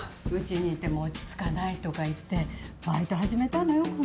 うちにいても落ち着かないとか言ってバイト始めたのよ